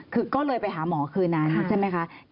คือก็เลยไปหาหมอคืนนั้นใช่ไหมคะ